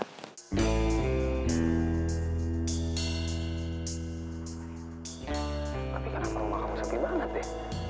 tapi kenapa rumah kamu sepi banget deh